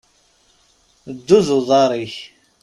Ddu d uḍaṛ-ik!